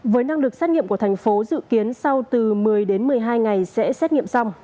với năng lực xét nghiệm của thành phố dự kiến sau từ một mươi đến một mươi hai ngày sẽ xét nghiệm xong